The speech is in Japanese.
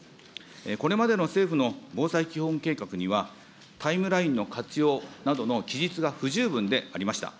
これまでの政府の防災基本計画には、タイムラインの活用などの記述が不十分でありました。